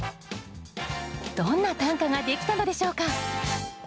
どんな短歌ができたのでしょうか？